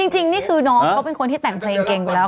จริงนี่คือน้องเขาเป็นคนที่แต่งเพลงเก่งอยู่แล้ว